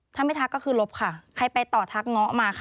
ถ้าไม่ทักก็คือลบค่ะใครไปต่อทักเงาะมาค่ะ